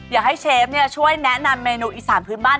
เชฟช่วยแนะนำเมนูอีสานพื้นบ้าน